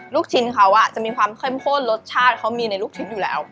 ลูกชิ้นเขาจะมีความเข้มข้นรสชาติเขามีในลูกชิ้นอยู่แล้ว